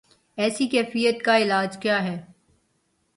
ایسی کیفیت کا علاج کیا ہے؟